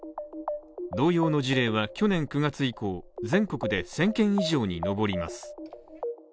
同様の事例は、去年９月以降全国で１０００件以上に上ります。